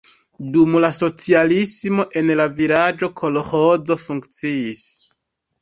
Dum la socialismo en la vilaĝo kolĥozo funkciis.